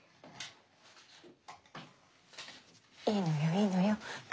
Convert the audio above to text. いいのよいいのよ。